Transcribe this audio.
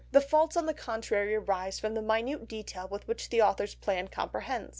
"The faults on the contrary arise from the minute detail which the author's plan comprehends.